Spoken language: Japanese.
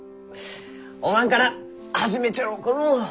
おまんから始めちゃろうかのう。